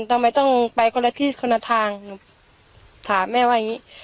ทำไมต้องไปคนละที่คนละทางถามแม่ว่าอย่างงี้